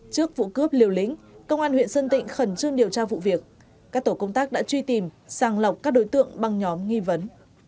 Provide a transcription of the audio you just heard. trước vụ cướp liều lĩnh công an huyện sơn tịnh khẩn trương điều tra vụ việc các tổ công tác đã truy tìm sàng lọc các đối tượng băng nhóm nghi vấn